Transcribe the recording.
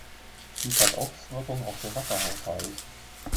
Dies hat Auswirkungen auf den Wasserhaushalt.